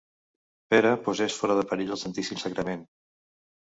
Pere posés fora de perill el Santíssim Sagrament.